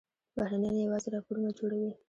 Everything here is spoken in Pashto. بهرنیان یوازې راپورونه جوړوي.